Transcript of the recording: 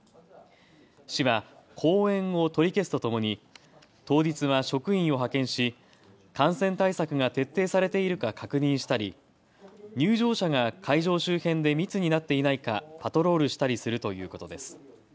市は後援を取り消すとともに当日は職員を派遣し感染対策が徹底されているか確認したり入場者が会場周辺で密になっていないかパトロールしたりするということです。